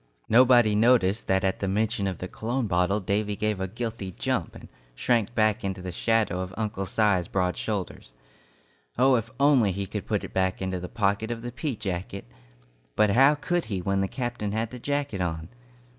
Nobody noticed that at the mention of the cologne bottle, Davy gave a guilty jump, and shrank back into the shadow of Uncle Si's broad shoulders. Oh, if he could only put it back into the pocket of the pea jacket! But how could he when the captain had the jacket on?